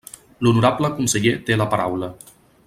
L'honorable conseller té la paraula.